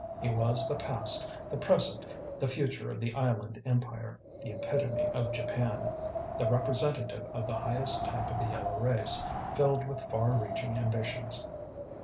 He was the past, the present, the future of the island empire, the epitome of Japan, the representative of the highest type of the Yellow Race, filled with far reaching ambitions.